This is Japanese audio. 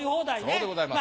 そうでございます。